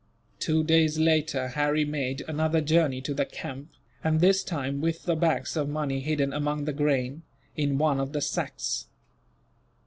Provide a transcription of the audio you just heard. Two days later, Harry made another journey to the camp, and this time with the bags of money hidden among the grain, in one of the sacks.